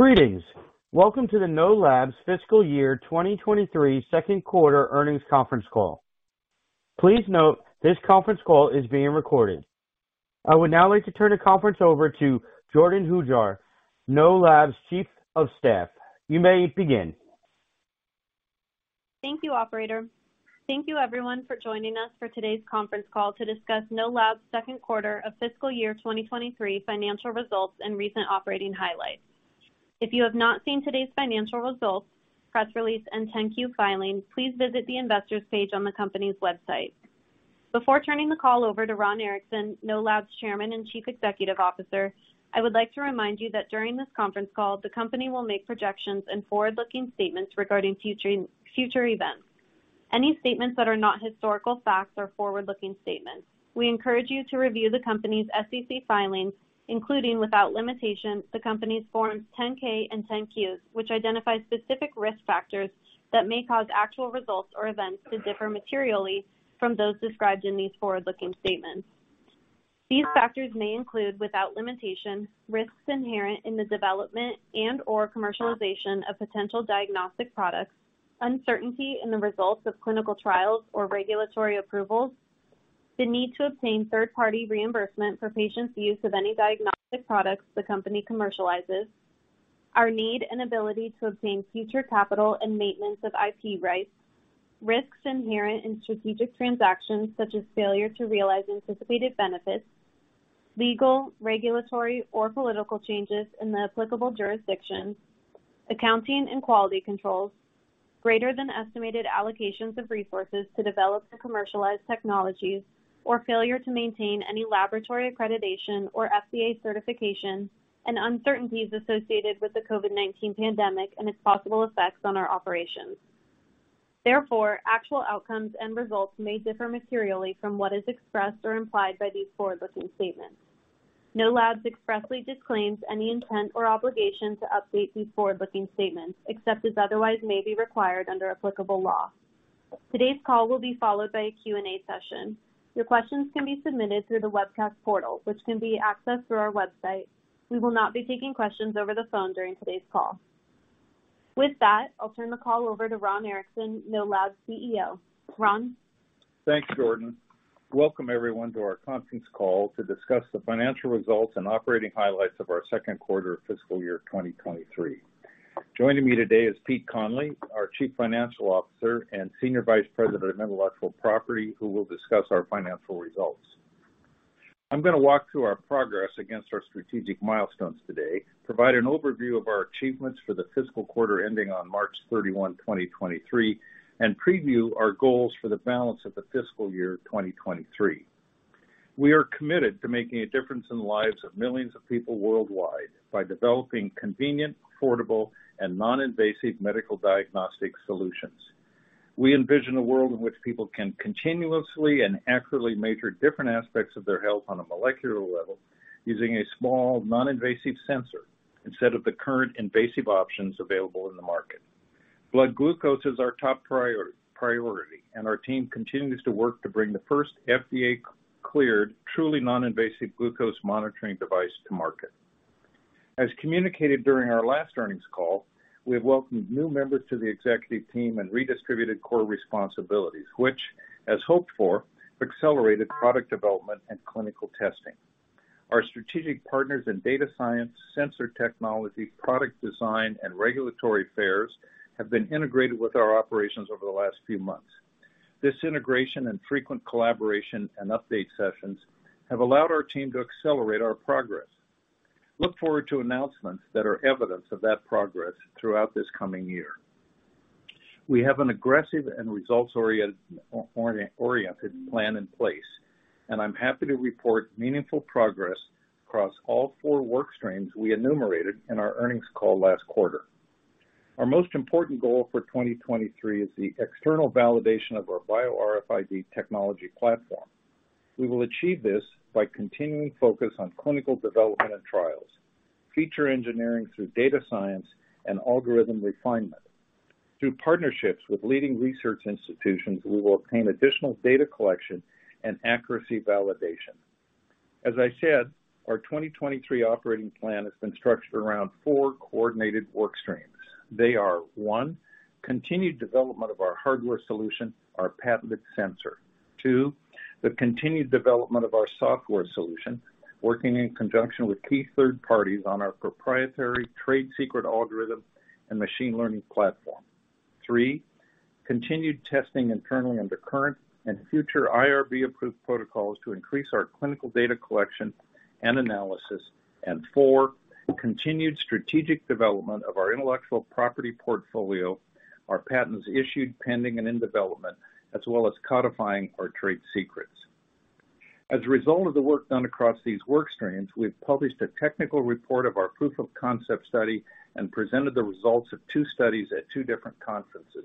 Greetings. Welcome to the Know Labs Fiscal Year 2023 second quarter earnings conference call. Please note this conference call is being recorded. I would now like to turn the conference over to Jordyn Hujar, Know Labs Chief of Staff. You may begin. Thank you, operator. Thank you everyone for joining us for today's conference call to discuss Know Labs second quarter of fiscal year 2023 financial results and recent operating highlights. If you have not seen today's financial results, press release, and 10-Q filing, please visit the investor's page on the company's website. Before turning the call over to Ron Erickson, Know Labs Chairman and Chief Executive Officer, I would like to remind you that during this conference call, the company will make projections and future events. Any statements that are not historical facts or forward-looking statements. We encourage you to review the company's SEC filings, including, without limitation, the company's forms 10-K and 10-Qs, which identify specific risk factors that may cause actual results or events to differ materially from those described in these forward-looking statements. These factors may include, without limitation, risks inherent in the development and/or commercialization of potential diagnostic products, uncertainty in the results of clinical trials or regulatory approvals, the need to obtain third-party reimbursement for patients' use of any diagnostic products the company commercializes, our need and ability to obtain future capital and maintenance of IP rights, risks inherent in strategic transactions such as failure to realize anticipated benefits, legal, regulatory, or political changes in the applicable jurisdictions, accounting and quality controls, greater than estimated allocations of resources to develop the commercialized technologies, or failure to maintain any laboratory accreditation or FDA certification, and uncertainties associated with the COVID-19 pandemic and its possible effects on our operations. Therefore, actual outcomes and results may differ materially from what is expressed or implied by these forward-looking statements. Know Labs expressly disclaims any intent or obligation to update these forward-looking statements, except as otherwise may be required under applicable law. Today's call will be followed by a Q&A session. Your questions can be submitted through the webcast portal, which can be accessed through our website. We will not be taking questions over the phone during today's call. With that, I'll turn the call over to Ron Erickson, Know Labs CEO. Ron? Thanks, Jordyn. Welcome everyone to our conference call to discuss the financial results and operating highlights of our second quarter of fiscal year 2023. Joining me today is Pete Conley, our Chief Financial Officer and Senior Vice President of Intellectual Property, who will discuss our financial results. I'm gonna walk through our progress against our strategic milestones today, provide an overview of our achievements for the fiscal quarter ending on March 31, 2023, and preview our goals for the balance of the fiscal year 2023. We are committed to making a difference in the lives of millions of people worldwide by developing convenient, affordable, and non-invasive medical diagnostic solutions. We envision a world in which people can continuously and accurately measure different aspects of their health on a molecular level using a small, non-invasive sensor instead of the current invasive options available in the market. Blood glucose is our top priority, and our team continues to work to bring the first FDA-cleared, truly non-invasive glucose monitoring device to market. As communicated during our last earnings call, we have welcomed new members to the executive team and redistributed core responsibilities, which, as hoped for, accelerated product development and clinical testing. Our strategic partners in data science, sensor technology, product design, and regulatory affairs have been integrated with our operations over the last few months. This integration and frequent collaboration and update sessions have allowed our team to accelerate our progress. Look forward to announcements that are evidence of that progress throughout this coming year. We have an aggressive and results-oriented plan in place, and I'm happy to report meaningful progress across all four work streams we enumerated in our earnings call last quarter. Our most important goal for 2023 is the external validation of our Bio-RFID technology platform. We will achieve this by continuing focus on clinical development and trials, feature engineering through data science and algorithm refinement. Through partnerships with leading research institutions, we will obtain additional data collection and accuracy validation. As I said, our 2023 operating plan has been structured around four coordinated work streams. They are, one, continued development of our hardware solution, our patented sensor. Two, the continued development of our software solution, working in conjunction with key third parties on our proprietary trade secret algorithm and machine learning platform. Three, continued testing internally under current and future IRB-approved protocols to increase our clinical data collection and analysis. Four, continued strategic development of our intellectual property portfolio, our patents issued, pending, and in development, as well as codifying our trade secrets. As a result of the work done across these work streams, we've published a technical report of our proof of concept study and presented the results of two studies at two different conferences.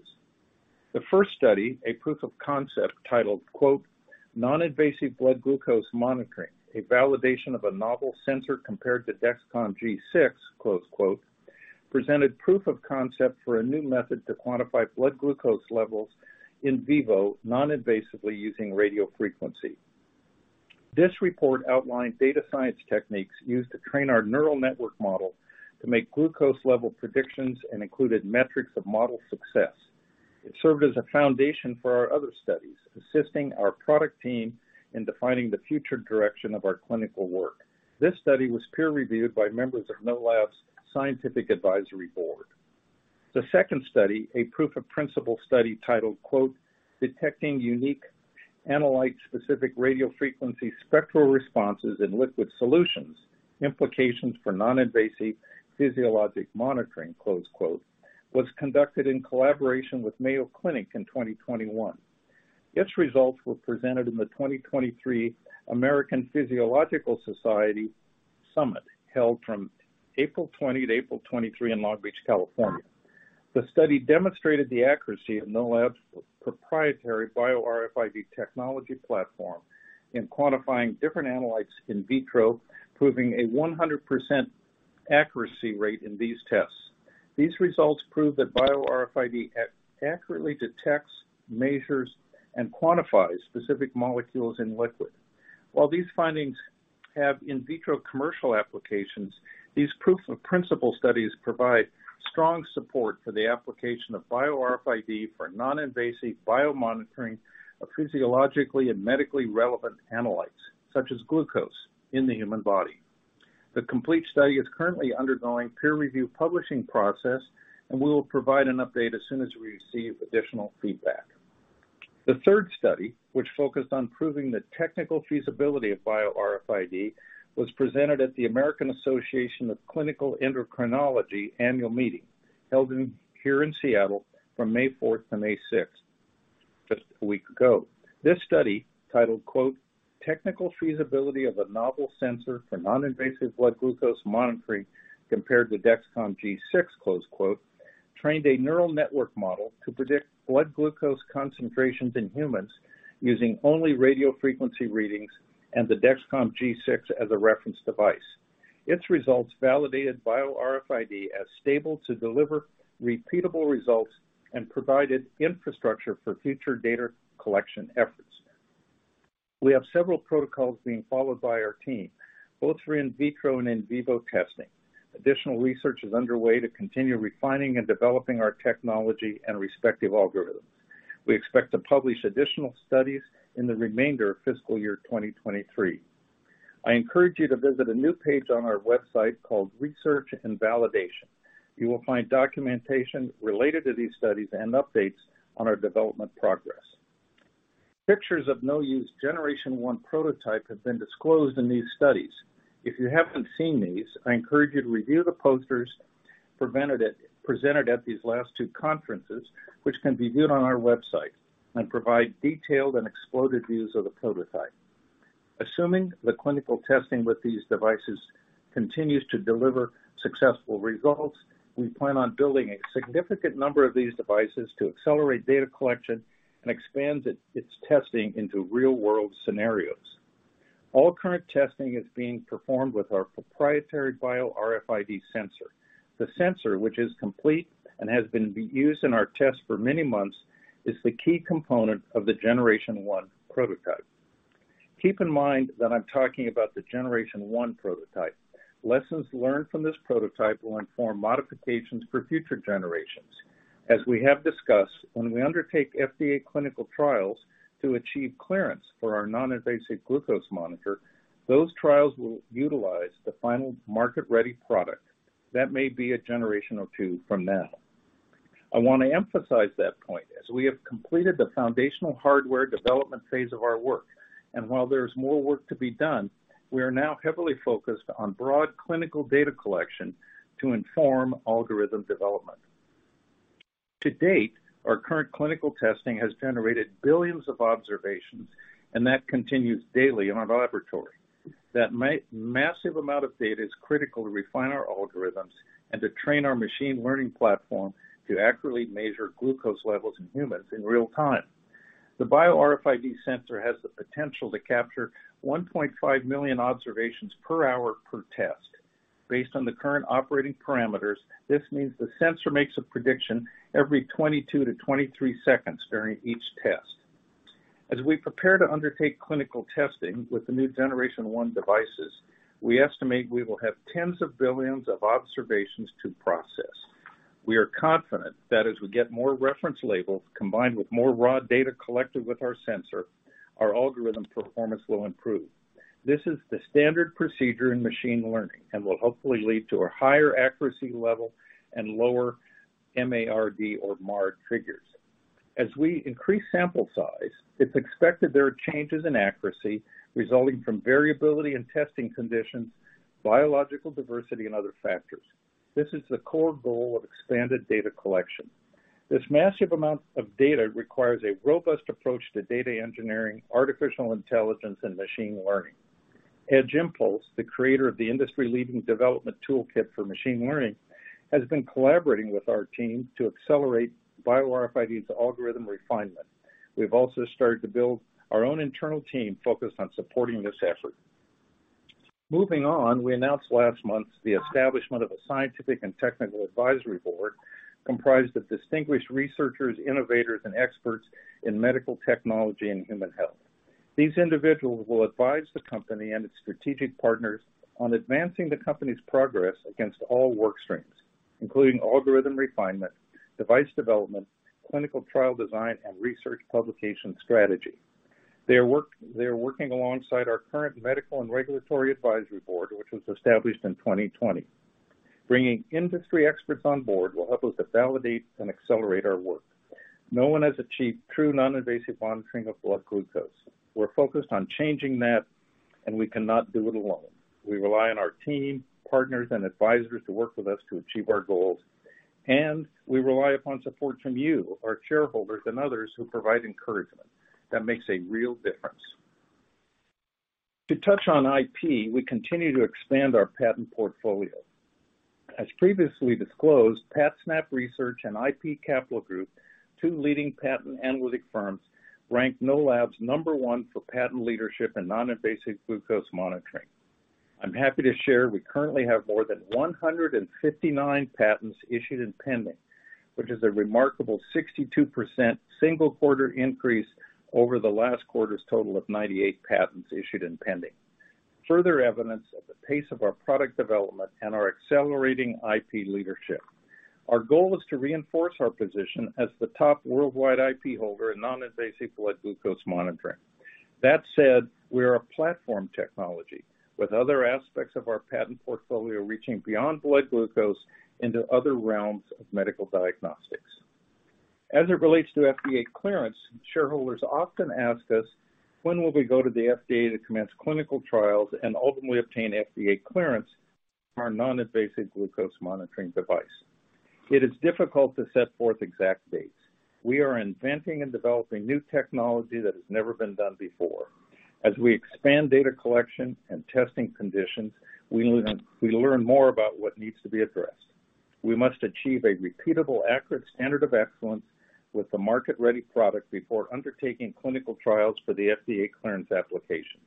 The first study, a proof of concept titled, quote, "Non-Invasive Blood Glucose Monitoring: A Validation of a Novel Sensor Compared to Dexcom G6", close quote, presented proof of concept for a new method to quantify blood glucose levels in vivo non-invasively using radio frequency. This report outlined data science techniques used to train our neural network model to make glucose level predictions and included metrics of model success. It served as a foundation for our other studies, assisting our product team in defining the future direction of our clinical work. This study was peer-reviewed by members of Know Labs' Scientific Advisory Board. The second study, a proof of principle study titled "Detecting Unique Analyte-Specific Radiofrequency Spectral Responses in Liquid Solutions: Implications for Non-Invasive Physiologic Monitoring," was conducted in collaboration with Mayo Clinic in 2021. Its results were presented in the 2023 American Physiology Summit, held from April 20 to April 23 in Long Beach, California. The study demonstrated the accuracy of Know Labs' proprietary Bio-RFID technology platform in quantifying different analytes in vitro, proving a 100% accuracy rate in these tests. These results prove that Bio-RFID accurately detects, measures, and quantifies specific molecules in liquid. While these findings have in vitro commercial applications, these proof of principle studies provide strong support for the application of Bio-RFID for non-invasive biomonitoring of physiologically and medically relevant analytes, such as glucose in the human body. The complete study is currently undergoing peer review publishing process, and we will provide an update as soon as we receive additional feedback. The third study, which focused on proving the technical feasibility of Bio-RFID, was presented at the American Association of Clinical Endocrinology annual meeting, held in here in Seattle from May fourth to May sixth, just a week ago. This study, titled, quote, "Technical Feasibility of a Novel Sensor for Non-Invasive Blood Glucose Monitoring Compared to Dexcom G6," close quote, trained a neural network model to predict blood glucose concentrations in humans using only radio frequency readings and the Dexcom G6 as a reference device. Its results validated Bio-RFID as stable to deliver repeatable results and provided infrastructure for future data collection efforts. We have several protocols being followed by our team, both for in vitro and in vivo testing. Additional research is underway to continue refining and developing our technology and respective algorithms. We expect to publish additional studies in the remainder of fiscal year 2023. I encourage you to visit a new page on our website called Research and Validation. You will find documentation related to these studies and updates on our development progress. Pictures of KnowU Generation 1 prototype have been disclosed in these studies. If you haven't seen these, I encourage you to review the posters presented at these last two conferences, which can be viewed on our website and provide detailed and exploded views of the prototype. Assuming the clinical testing with these devices continues to deliver successful results, we plan on building a significant number of these devices to accelerate data collection and expand its testing into real-world scenarios. All current testing is being performed with our proprietary Bio-RFID sensor. The sensor, which is complete and has been used in our tests for many months, is the key component of the Generation 1 prototype. Keep in mind that I'm talking about the Generation 1 prototype. Lessons learned from this prototype will inform modifications for future generations. As we have discussed, when we undertake FDA clinical trials to achieve clearance for our non-invasive glucose monitor, those trials will utilize the final market-ready product. That may be a generation or two from now. I want to emphasize that point as we have completed the foundational hardware development phase of our work, and while there is more work to be done, we are now heavily focused on broad clinical data collection to inform algorithm development. To date, our current clinical testing has generated billions of observations, and that continues daily in our laboratory. That massive amount of data is critical to refine our algorithms and to train our machine learning platform to accurately measure glucose levels in humans in real time. The Bio-RFID sensor has the potential to capture 1.5 million observations per hour per test. Based on the current operating parameters, this means the sensor makes a prediction every 22-23 seconds during each test. As we prepare to undertake clinical testing with the new generation one devices, we estimate we will have tens of billions of observations to process. We are confident that as we get more reference labels combined with more raw data collected with our sensor, our algorithm performance will improve. This is the standard procedure in machine learning and will hopefully lead to a higher accuracy level and lower M-A-R-D or MARD triggers. As we increase sample size, it's expected there are changes in accuracy resulting from variability in testing conditions, biological diversity, and other factors. This is the core goal of expanded data collection. This massive amount of data requires a robust approach to data engineering, artificial intelligence, and machine learning. Edge Impulse, the creator of the industry-leading development toolkit for machine learning, has been collaborating with our team to accelerate Bio-RFID's algorithm refinement. We've also started to build our own internal team focused on supporting this effort. Moving on, we announced last month the establishment of a scientific and technical advisory board comprised of distinguished researchers, innovators, and experts in medical technology and human health. These individuals will advise the company and its strategic partners on advancing the company's progress against all work streams, including algorithm refinement, device development, clinical trial design, and research publication strategy. They are working alongside our current medical and regulatory advisory board, which was established in 2020. Bringing industry experts on board will help us to validate and accelerate our work. No one has achieved true non-invasive monitoring of blood glucose. We're focused on changing that, and we cannot do it alone. We rely on our team, partners, and advisors to work with us to achieve our goals, and we rely upon support from you, our shareholders and others who provide encouragement that makes a real difference. To touch on IP, we continue to expand our patent portfolio. As previously disclosed, Patsnap Research and ipCapital Group, two leading patent analytic firms, ranked Know Labs number one for patent leadership in non-invasive glucose monitoring. I'm happy to share we currently have more than 159 patents issued and pending, which is a remarkable 62% single quarter increase over the last quarter's total of 98 patents issued and pending. Further evidence of the pace of our product development and our accelerating IP leadership. Our goal is to reinforce our position as the top worldwide IP holder in non-invasive blood glucose monitoring. We are a platform technology with other aspects of our patent portfolio reaching beyond blood glucose into other realms of medical diagnostics. As it relates to FDA clearance, shareholders often ask us, when will we go to the FDA to commence clinical trials and ultimately obtain FDA clearance for our non-invasive glucose monitoring device? It is difficult to set forth exact dates. We are inventing and developing new technology that has never been done before. As we expand data collection and testing conditions, we learn more about what needs to be addressed. We must achieve a repeatable, accurate standard of excellence with the market-ready product before undertaking clinical trials for the FDA clearance application.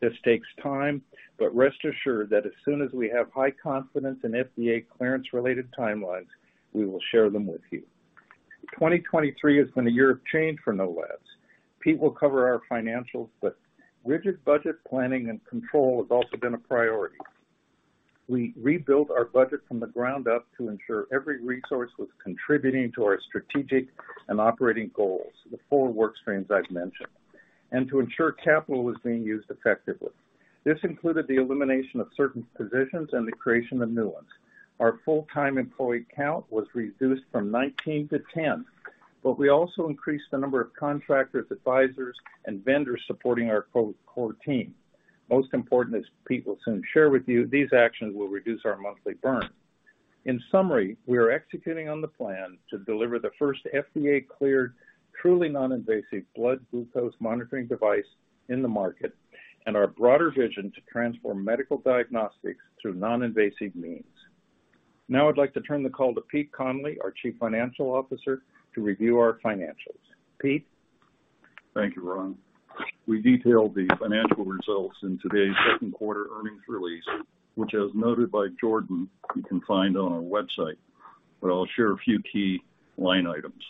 This takes time, rest assured that as soon as we have high confidence in FDA clearance-related timelines, we will share them with you. 2023 has been a year of change for Know Labs. Pete will cover our financials, rigid budget planning and control has also been a priority. We rebuilt our budget from the ground up to ensure every resource was contributing to our strategic and operating goals, the four work streams I've mentioned, and to ensure capital was being used effectively. This included the elimination of certain positions and the creation of new ones. Our full-time employee count was reduced from 19 to 10, but we also increased the number of contractors, advisors, and vendors supporting our co-core team. Most important, as Pete will soon share with you, these actions will reduce our monthly burn. In summary, we are executing on the plan to deliver the first FDA-cleared, truly non-invasive blood glucose monitoring device in the market and our broader vision to transform medical diagnostics through non-invasive means. Now I'd like to turn the call to Pete Conley, our Chief Financial Officer, to review our financials. Pete? Thank you, Ron. We detailed the financial results in today's second quarter earnings release, which as noted by Jordyn, you can find on our website. I'll share a few key line items.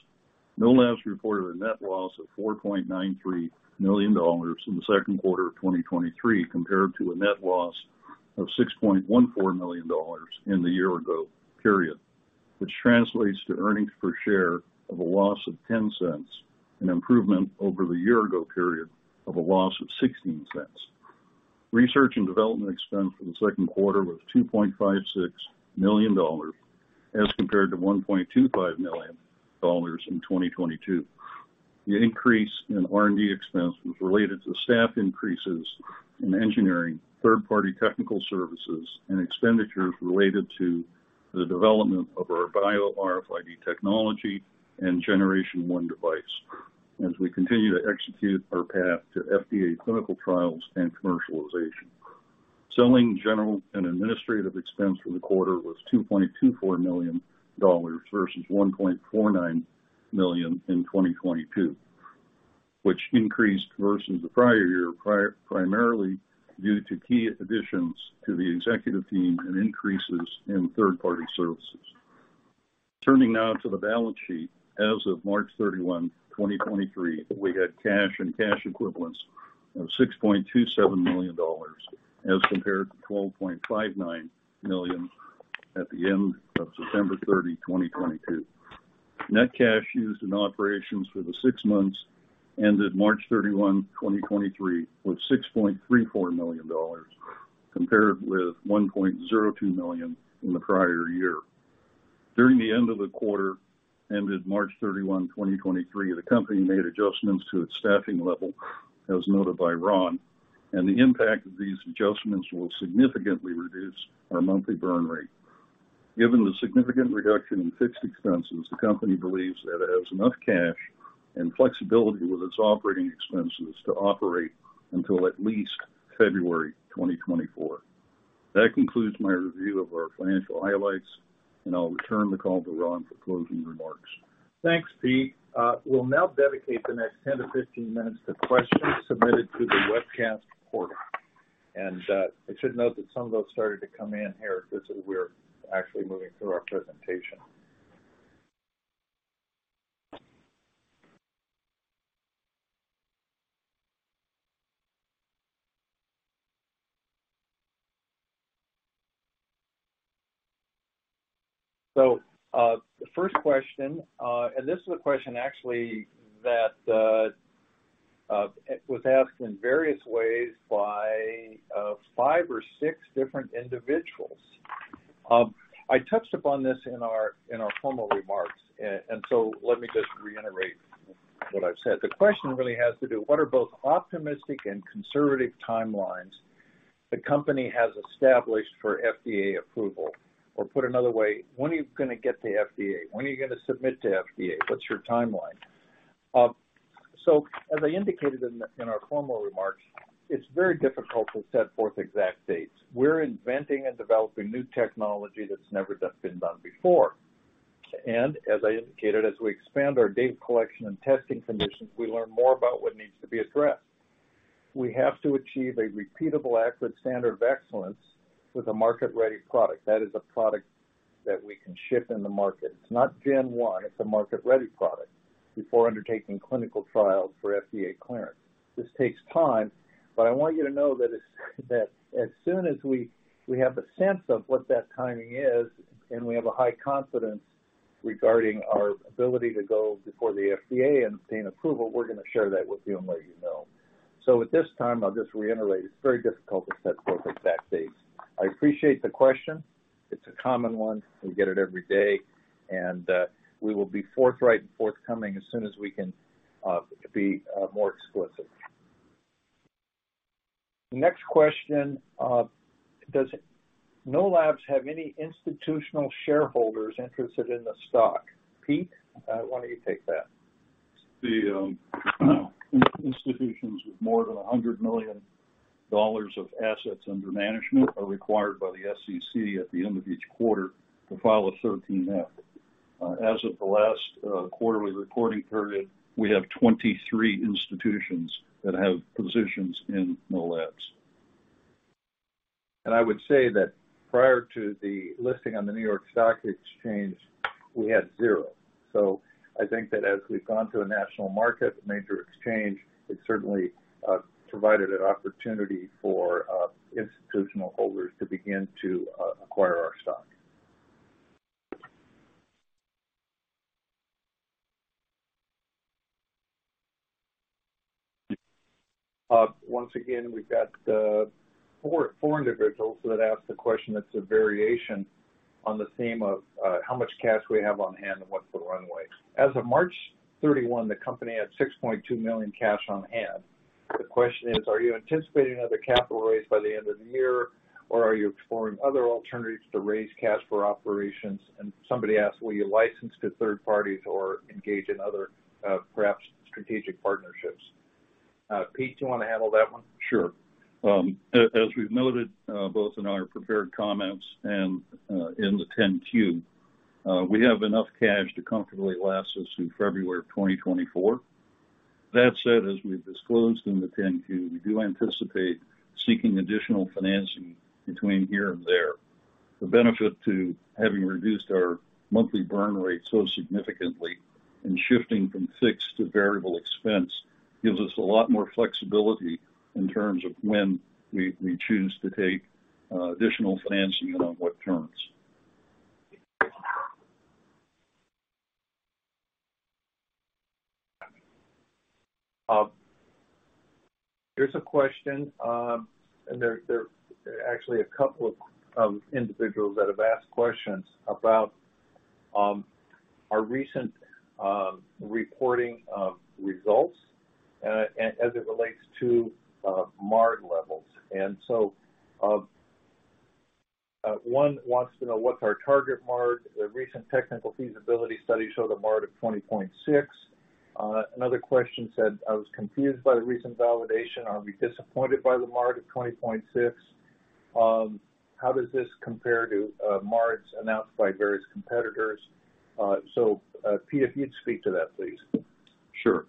Know Labs reported a net loss of $4.93 million in the second quarter of 2023, compared to a net loss of $6.14 million in the year-ago period, which translates to earnings per share of a loss of $0.10, an improvement over the year-ago period of a loss of $0.16. Research and Development expense for the second quarter was $2.56 million as compared to $1.25 million in 2022. The increase in R&D expense was related to staff increases in engineering, third-party technical services, and expenditures related to the development of our Bio-RFID technology and Generation one device as we continue to execute our path to FDA clinical trials and commercialization. Selling, general, and administrative expense for the quarter was $2.24 million versus $1.49 million in 2022, which increased versus the prior year primarily due to key additions to the executive team and increases in third-party services. Turning now to the balance sheet. As of March 31, 2023, we had cash and cash equivalents of $6.27 million as compared to $12.59 million at the end of September 30, 2022. Net cash used in operations for the months ended March 31, 2023, was $6.34 million compared with $1.02 million in the prior year. During the end of the quarter ended March 31, 2023, the company made six adjustments to its staffing level, as noted by Ron, and the impact of these adjustments will significantly reduce our monthly burn rate. Given the significant reduction in fixed expenses, the company believes that it has enough cash and flexibility with its operating expenses to operate until at least February 2024. That concludes my review of our financial highlights, and I'll return the call to Ron for closing remarks. Thanks, Pete. We'll now dedicate the next 10-15 minutes to questions submitted through the webcast portal. I should note that some of those started to come in here just as we're actually moving through our presentation. The first question, and this is a question actually that it was asked in various ways by 5 or 6 different individuals. I touched upon this in our, in our formal remarks. Let me just reiterate what I've said. The question really has to do, what are both optimistic and conservative timelines the company has established for FDA approval? Or put another way, when are you gonna get to FDA? When are you gonna submit to FDA? What's your timeline? As I indicated in the, in our formal remarks, it's very difficult to set forth exact dates. We're inventing and developing new technology that's never been done before. As I indicated, as we expand our data collection and testing conditions, we learn more about what needs to be addressed. We have to achieve a repeatable, accurate standard of excellence with a market-ready product. That is a product that we can ship in the market. It's not Gen One, it's a market-ready product before undertaking clinical trials for FDA clearance. This takes time, but I want you to know that as soon as we have a sense of what that timing is, and we have a high confidence regarding our ability to go before the FDA and obtain approval, we're gonna share that with you and let you know. At this time, I'll just reiterate, it's very difficult to set forth exact dates. I appreciate the question. It's a common one. We get it every day, and we will be forthright and forthcoming as soon as we can be more explicit. Next question, does Know Labs have any institutional shareholders interested in the stock? Pete, why don't you take that? The institutions with more than $100 million of assets under management are required by the SEC at the end of each quarter to file a 13F. As of the last quarterly reporting period, we have 23 institutions that have positions in Know Labs. I would say that prior to the listing on the New York Stock Exchange, we had zero. I think that as we've gone to a national market, a major exchange, it's certainly provided an opportunity for institutional holders to begin to acquire our stock. Once again, we've got four individuals that asked the question that's a variation on the theme of how much cash we have on hand and what's the runway. As of March 31, the company had $6.2 million cash on hand. The question is, are you anticipating other capital raise by the end of the year, or are you exploring other alternatives to raise cash for operations? Somebody asked, will you license to third parties or engage in other perhaps strategic partnerships? Pete, do you wanna handle that one? Sure. As we've noted, both in our prepared comments and in the Form 10-Q, we have enough cash to comfortably last us through February of 2024. That said, as we've disclosed in the Form 10-Q, we do anticipate seeking additional financing between here and there. The benefit to having reduced our monthly burn rate so significantly and shifting from fixed to variable expense gives us a lot more flexibility in terms of when we choose to take additional financing and on what terms. Here's a question, there are actually a couple of individuals that have asked questions about our recent reporting of results as it relates to MARD levels. One wants to know what's our target MARD. The recent technical feasibility study showed a MARD of 20.6. Another question said, "I was confused by the recent validation. Are we disappointed by the MARD of 20.6? How does this compare to MARDs announced by various competitors?" Pete, if you'd speak to that, please. Sure.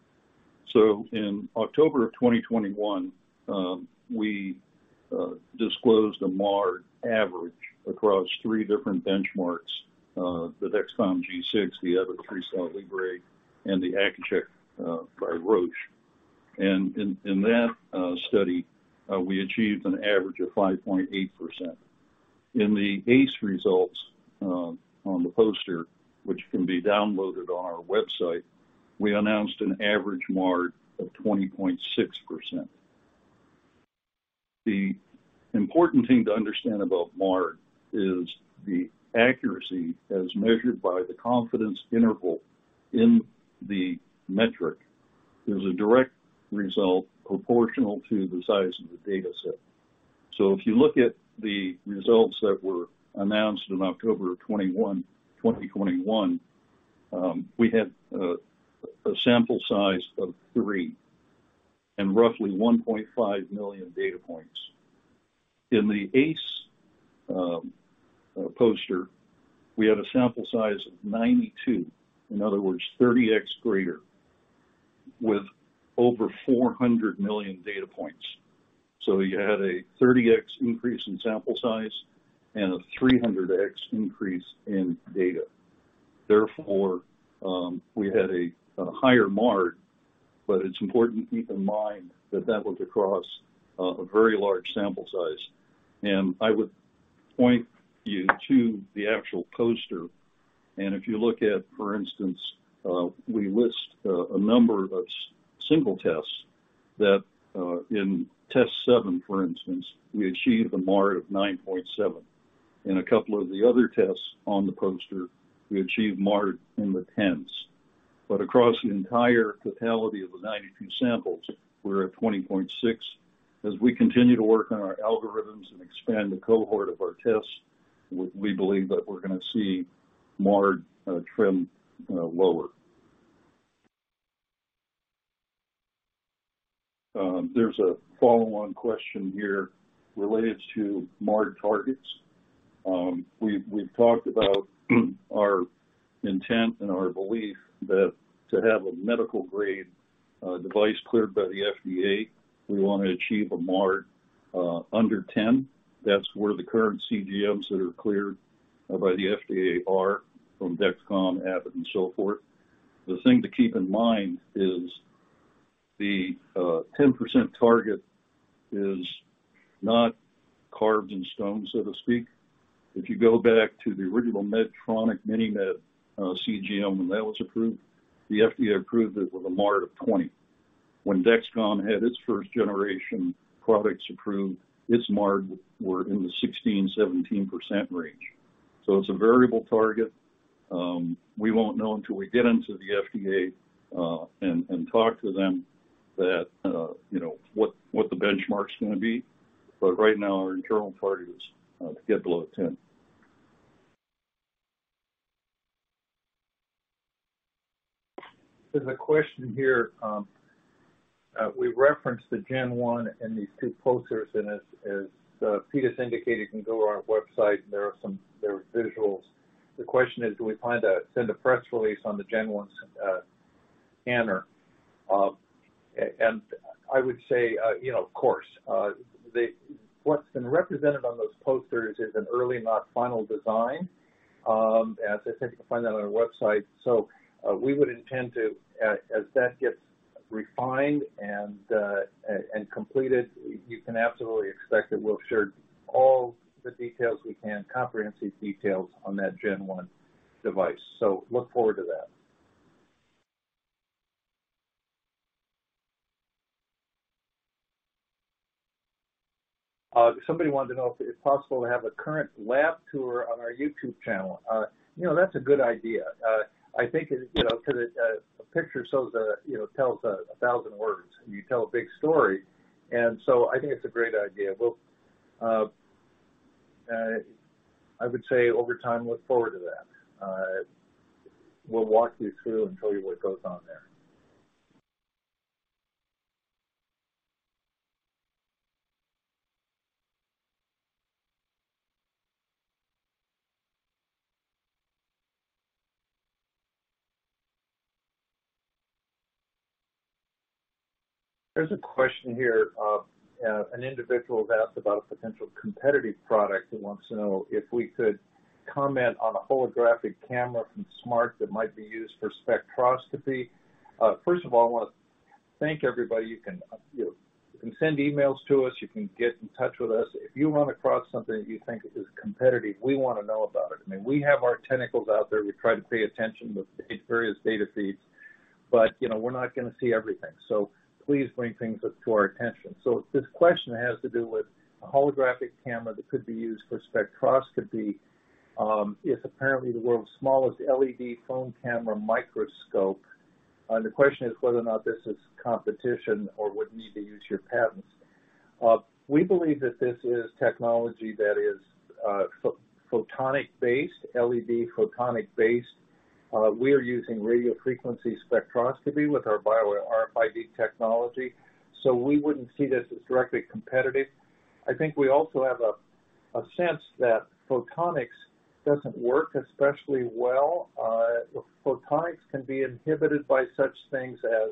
In October of 2021, we disclosed a MARD average across 3 different benchmarks, the Dexcom G6, the Abbott FreeStyle Libre, and the Accu-Chek by Roche. In that study, we achieved an average of 5.8%. In the ACE results, on the poster, which can be downloaded on our website, we announced an average MARD of 20.6%. The important thing to understand about MARD is the accuracy as measured by the confidence interval in the metric is a direct result proportional to the size of the data set. If you look at the results that were announced in October of 2021, we had a sample size of 3. Roughly 1.5 million data points. In the ACE poster, we had a sample size of 92, in other words, 30x greater, with over 400 million data points. You had a 30x increase in sample size and a 300x increase in data. Therefore, we had a higher MARD, but it's important to keep in mind that that was across a very large sample size. I would point you to the actual poster, and if you look at, for instance, we list a number of single tests that in test seven, for instance, we achieved a MARD of 9.7. In a couple of the other tests on the poster, we achieved MARD in the tens. Across the entire totality of the 92 samples, we're at 20.6. As we continue to work on our algorithms and expand the cohort of our tests, we believe that we're gonna see MARD trend lower. There's a follow-on question here related to MARD targets. We've talked about our intent and our belief that to have a medical grade device cleared by the FDA, we wanna achieve a MARD under 10. That's where the current CGMs that are cleared by the FDA are from Dexcom, Abbott, and so forth. The thing to keep in mind is the 10% target is not carved in stone, so to speak. If you go back to the original Medtronic MiniMed CGM, when that was approved, the FDA approved it with a MARD of 20. When Dexcom had its first generation products approved, its MARD were in the 16%-17% range. It's a variable target. We won't know until we get into the FDA and talk to them that, you know, what the benchmark's gonna be. Right now, our internal target is to get below 10. There's a question here, we referenced the Gen 1 in these two posters, and as Pete's indicated, you can go to our website and there are visuals. The question is, do we plan to send a press release on the Gen 1 scanner? And I would say, you know, of course. What's been represented on those posters is an early, not final design, as I think you'll find that on our website. We would intend to as that gets refined and completed, you can absolutely expect that we'll share all the details we can, comprehensive details on that Gen one device. Look forward to that. Somebody wanted to know if it's possible to have a current lab tour on our YouTube channel. You know, that's a good idea. I think it, you know, 'cause a picture shows, you know, tells a thousand words, and you tell a big story. I think it's a great idea. We'll, I would say over time, look forward to that. We'll walk you through and show you what goes on there. There's a question here. An individual asked about a potential competitive product and wants to know if we could comment on a holographic camera from Smart that might be used for spectroscopy. First of all, I wanna thank everybody. You can, you know, you can send emails to us. You can get in touch with us. If you run across something that you think is competitive, we wanna know about it. I mean, we have our tentacles out there. We try to pay attention with the various data feeds, but, you know, we're not gonna see everything. Please bring things up to our attention. This question has to do with a holographic camera that could be used for spectroscopy. It's apparently the world's smallest LED phone camera microscope. The question is whether or not this is competition or would need to use your patents. We believe that this is technology that is photonic based, LED photonic based. We are using radio frequency spectroscopy with our Bio-RFID technology, we wouldn't see this as directly competitive. I think we also have a sense that photonics doesn't work especially well. Photonics can be inhibited by such things as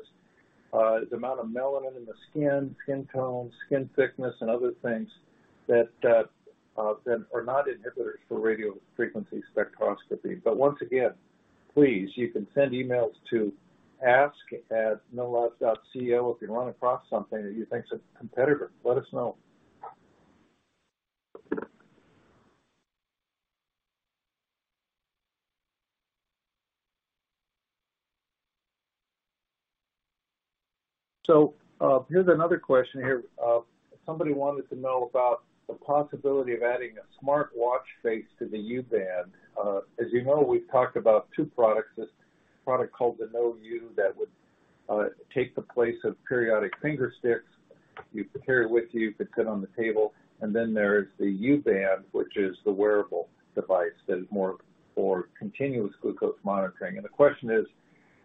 the amount of melanin in the skin tone, skin thickness, and other things that are not inhibitors for radio frequency spectroscopy. Once again, please, you can send emails to ask@knowlabs.co if you run across something that you think is a competitor. Let us know. Here's another question here. Somebody wanted to know about the possibility of adding a smartwatch face to the U-Band. As you know, we've talked about two products. This product called the KnowU that would take the place of periodic finger sticks. You carry it with you could sit on the table. Then there's the U-band, which is the wearable device that is more for continuous glucose monitoring. The question is,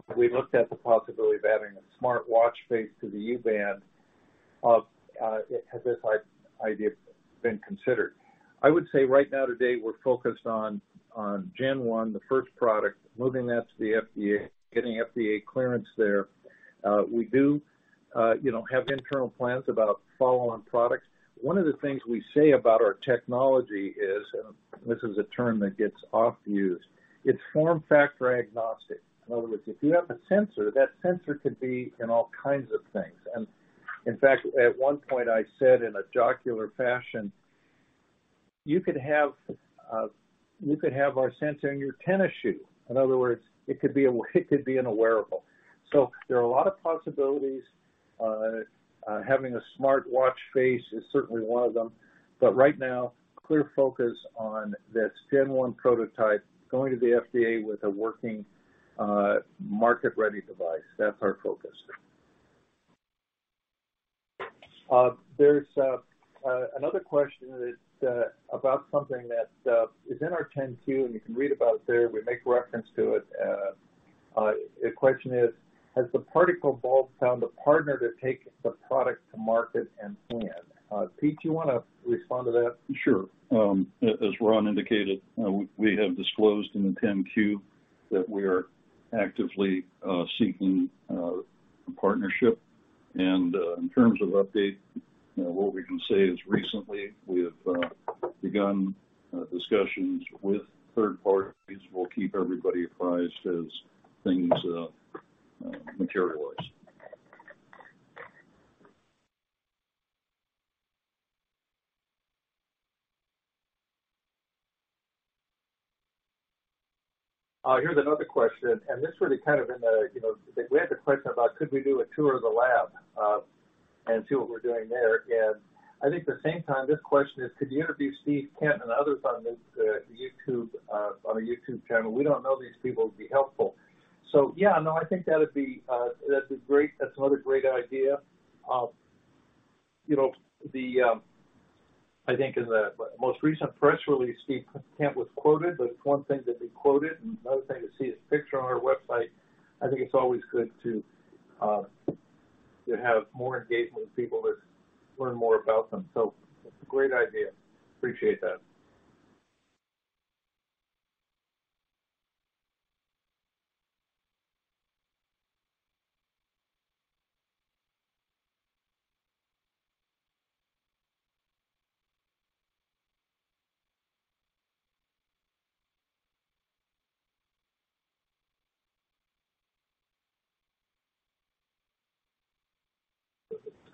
have we looked at the possibility of adding a smartwatch face to the U-band? Has this idea been considered? I would say right now, today, we're focused on Gen 1, the first product, moving that to the FDA, getting FDA clearance there. We do, you know, have internal plans about follow-on products. One of the things we say about our technology is, and this is a term that gets oft used, it's form factor agnostic. In other words, if you have a sensor, that sensor could be in all kinds of things. In fact, at one point I said in a jocular fashion, "You could have, you could have our sensor in your tennis shoe." In other words, it could be in a wearable. There are a lot of possibilities. Having a smartwatch face is certainly one of them. Right now, clear focus on this gen 1 prototype going to the FDA with a working, market-ready device. That's our focus. There's another question that's about something that is in our Form 10-Q, and you can read about it there. We make reference to it. The question is: Has the particle vault found a partner to take the product to market and plan? Pete, do you wanna respond to that? Sure. As Ron indicated, we have disclosed in the Form 10-Q that we are actively seeking a partnership. In terms of update, you know, what we can say is recently we have begun discussions with third parties. We'll keep everybody apprised as things materialize. Here's another question, and this really kind of in the, you know... We had the question about could we do a tour of the lab, and see what we're doing there. I think the same time, this question is, could you interview Steve Kent and others on this YouTube on our YouTube channel? We don't know these people. It'd be helpful. Yeah, no, I think that'd be, that's another great idea. You know, the... I think in the most recent press release, Steve Kent was quoted, but it's one thing to be quoted and another thing to see his picture on our website. I think it's always good to have more engagement with people to learn more about them. It's a great idea. Appreciate that.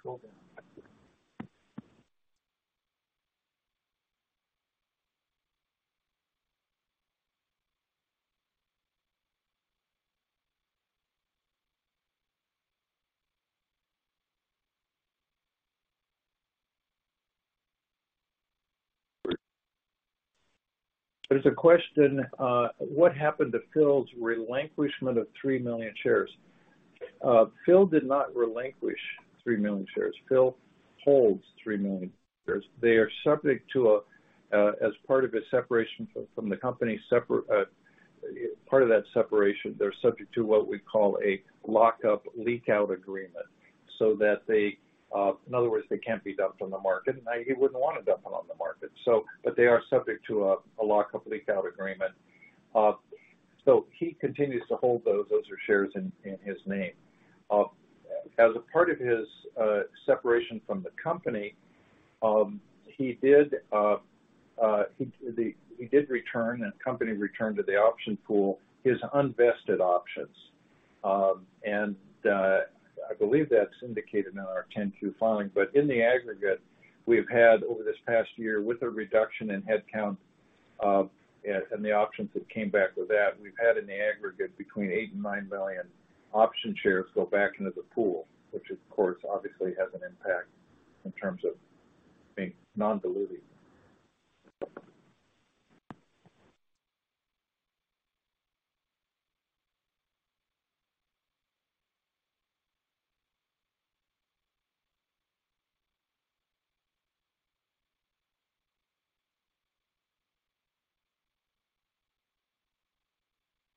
Perfect. Scroll down. There's a question: What happened to Phil's relinquishment of 3 million shares? Phil did not relinquish 3 million shares. Phil holds 3 million shares. They are subject to a, as part of his separation from the company, part of that separation, they're subject to what we call a lockup leak out agreement so that they, in other words, they can't be dumped on the market. He wouldn't want to dump them on the market. But they are subject to a lockup leak out agreement. He continues to hold those. Those are shares in his name. As a part of his separation from the company, he did return and company returned to the option pool, his unvested options. I believe that's indicated in our Form 10-Q filing. In the aggregate, we've had over this past year with a reduction in headcount, and the options that came back with that, we've had in the aggregate between $8 million and $9 million option shares go back into the pool, which of course obviously has an impact in terms of, I think, non-dilutive.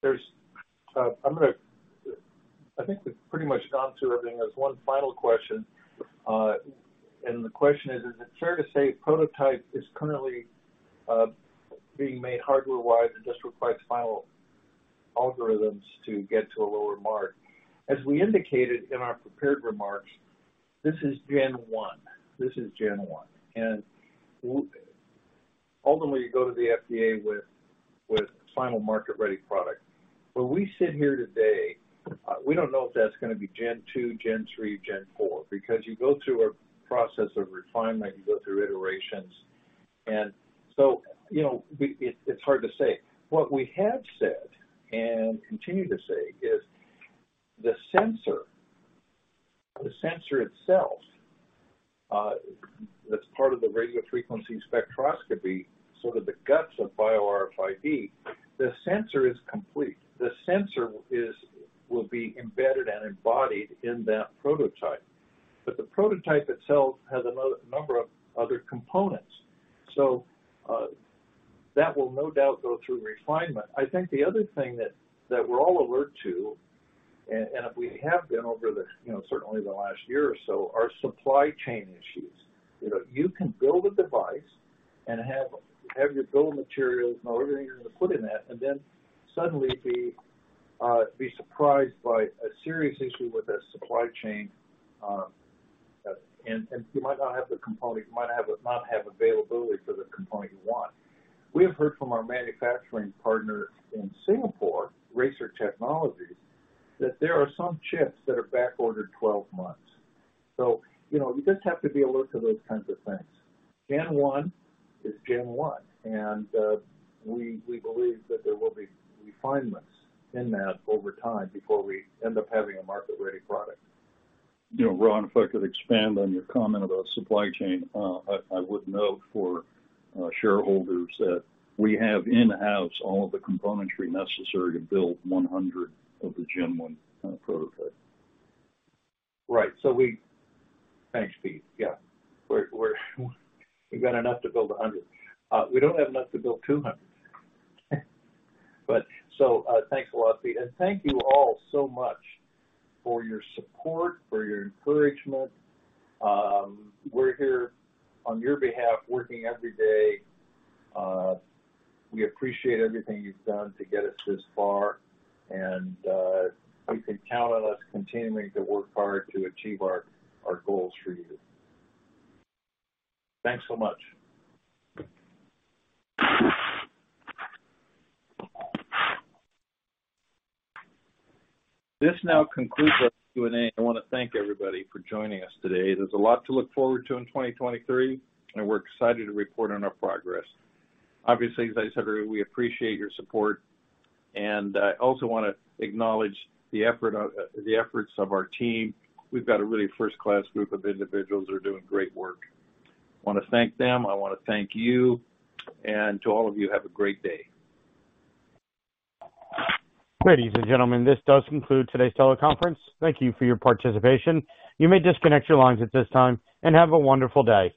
There's I think we've pretty much gone through everything. There's one final question. The question is: Is it fair to say prototype is currently being made hardware-wise and just requires final algorithms to get to a lower MARD? As we indicated in our prepared remarks, this is Gen 1. This is Gen 1. Ultimately, you go to the FDA with final market-ready product. When we sit here today, we don't know if that's going to be gen 2, gen 3, gen 4, because you go through a process of refinement, you go through iterations, you know, it's hard to say. What we have said and continue to say is the sensor, the sensor itself, that's part of the radio frequency spectroscopy, sort of the guts of Bio-RFID, the sensor is complete. The sensor will be embedded and embodied in that prototype. The prototype itself has a number of other components, that will no doubt go through refinement. I think the other thing that we're all alert to and we have been over the, you know, certainly the last year or so, are supply chain issues. You know, you can build a device and have your build materials and everything you're gonna put in that, then suddenly be surprised by a serious issue with a supply chain, and you might not have the component. You might not have availability for the component you want. We have heard from our manufacturing partner in Singapore, Racer Technology, that there are some chips that are backordered 12 months. You know, you just have to be alert to those kinds of things. Gen 1 is Gen 1. We believe that there will be refinements in that over time before we end up having a market-ready product. You know, Ron, if I could expand on your comment about supply chain, I would note for shareholders that we have in-house all of the componentry necessary to build 100 of the gen 1 prototype. Right. Thanks, Pete. Yeah. We've got enough to build 100. We don't have enough to build 200. Thanks a lot, Pete, and thank you all so much for your support, for your encouragement. We're here on your behalf working every day. We appreciate everything you've done to get us this far, and you can count on us continuing to work hard to achieve our goals for you. Thanks so much. This now concludes our Q&A. I wanna thank everybody for joining us today. There's a lot to look forward to in 2023, and we're excited to report on our progress. Obviously, as I said earlier, we appreciate your support, and I also wanna acknowledge the efforts of our team. We've got a really first-class group of individuals who are doing great work. Wanna thank them, I wanna thank you, and to all of you, have a great day. Ladies and gentlemen, this does conclude today's teleconference. Thank you for your participation. You may disconnect your lines at this time. Have a wonderful day.